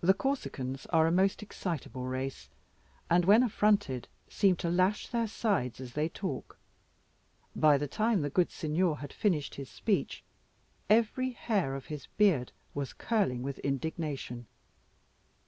The Corsicans are a most excitable race, and, when affronted, seem to lash their sides as they talk. By the time the good Signor had finished his speech, every hair of his beard was curling with indignation.